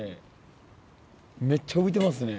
めっちゃ浮いてますね。